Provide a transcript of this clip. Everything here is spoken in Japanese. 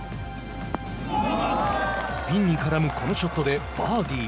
ピンに絡むこのショットでバーディー。